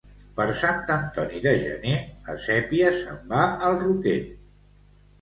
Per Sant Antoni de gener, la sèpia se'n va al roquer.